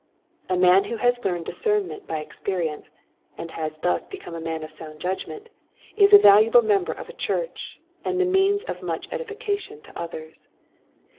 A man who has learned discernment by experience, and has thus become a man of sound judgment, is a valuable member of a church, and the means of much edification to others.